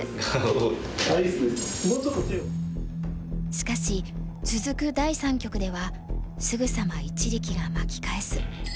しかし続く第三局ではすぐさま一力が巻き返す。